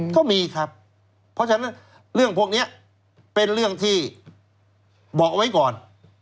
ก็มีครับเพราะฉะนั้นเรื่องพวกนี้เป็นเรื่องที่บอกเอาไว้ก่อน